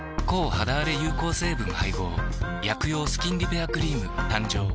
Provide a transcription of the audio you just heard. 抗肌あれ有効成分配合薬用スキンリペアクリーム誕生